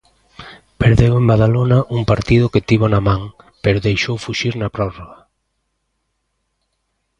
Perdeu en Badalona un partido que tivo na man, pero deixou fuxir na prórroga.